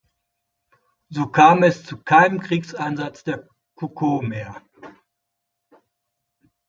So kam es zu keinem Kriegseinsatz der Cuckoo mehr.